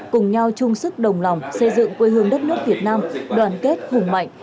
cùng nhau chung sức đồng lòng xây dựng quê hương đất nước việt nam đoàn kết hùng mạnh